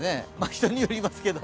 人によりますけど。